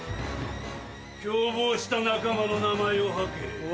共謀した仲間の名前を吐け。